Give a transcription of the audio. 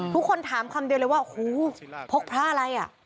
ทุกคนถามคำเดียวเลยว่าหูพกพระอะไรอ่ะ